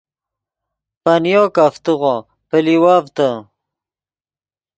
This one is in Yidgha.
پنۡیو کفتیغو پلیوڤتے